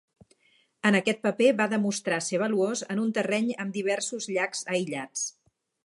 En aquest paper, va demostrar ser valuós en un terreny amb diversos llacs aïllats.